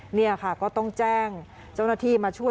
นี่ค่ะก็ต้องแจ้งเจ้าหน้าที่มาช่วย